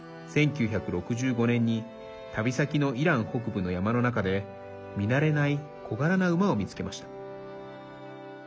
１９６５年に旅先のイラン北部の山の中で見慣れない小柄な馬を見つけました。